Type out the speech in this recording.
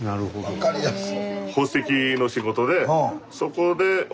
分かりやすい。